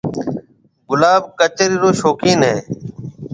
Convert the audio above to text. گلاب ڪچيرِي رو شوقين ھيََََ